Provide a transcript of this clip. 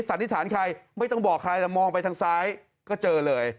สันนิษฐานใครไม่ต้องบอกใครแต่มองไปทางซ้ายก็เจอเลย